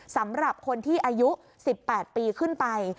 สำหรับคนที่อายุ๑๘ปีขึ้นไป